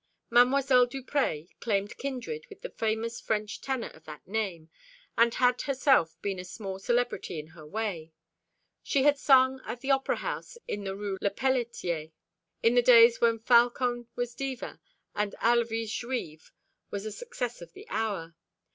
Mademoiselle Duprez claimed kindred with the famous French tenor of that name, and had herself been a small celebrity in her way. She had sung at the Opera House in the Rue Lepelletier, in the days when Falcon was Diva, and Halevy's Juive was the success of the hour.